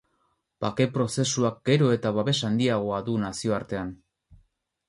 Bake-prozesuak gero eta babes handiagoa du nazioartean.